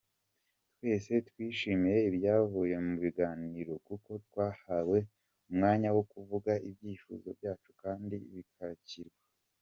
Twese twishimiye ibyavuye mu biganiro, kuko twahawe umwanya wo kuvuga ibyifuzo byacu kandi bikakirwa.